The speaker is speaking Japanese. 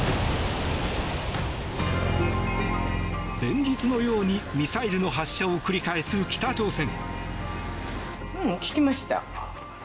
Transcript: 連日のように、ミサイルの発射を繰り返す北朝鮮。